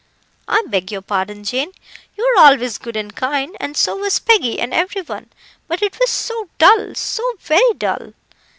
I beg your pardon, Jane, you are always good and kind, and so was Peggy, and every one; but it was so dull so very dull.